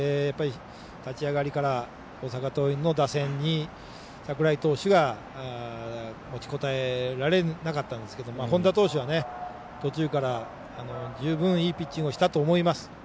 立ち上がりから大阪桐蔭の打線に櫻井投手が持ちこたえられなかったんですが本田投手は途中から十分、いいピッチングをしたと思います。